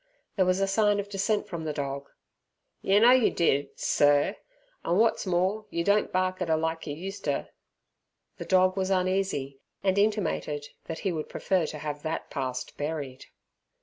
There was a sign of dissent from the dog. "Yer know yer did Sir. An' wot's more yer don't bark at 'er like yer used ter!" The dog was uneasy, and intimated that he would prefer to have that past buried.